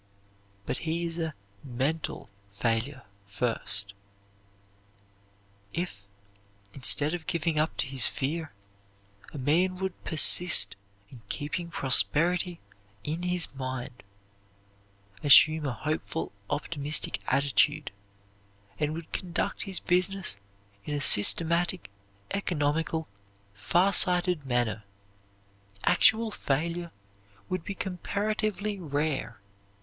But he is a mental failure first. If, instead of giving up to his fear, a man would persist in keeping prosperity in his mind, assume a hopeful, optimistic attitude, and would conduct his business in a systematic, economical, far sighted manner, actual failure would be comparatively rare.